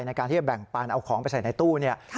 ในการที่จะแบ่งปันเอาของไปใส่ในตู้เนี่ย